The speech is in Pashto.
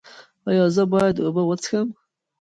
ایا زه باید اوبه وڅښم؟